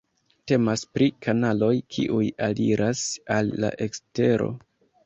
Temas pri kanaloj kiuj aliras al la ekstero.